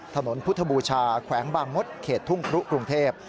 ถนนพุทธบูชาแขวงบางมดเขตทุ่งครุกรุงเทพ